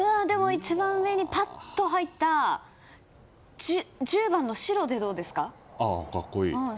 一番上にぱっと入った１０番の白でどうですか？